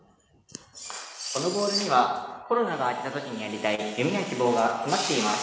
このボールにはコロナが明けたときにやりたい夢や希望が詰まっています。